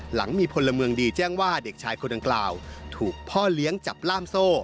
หลังมีพลเมืองดีแจ้งว่าเด็กชายคนดังกล่าวถูกพ่อเลี้ยงจับล่ามโซ่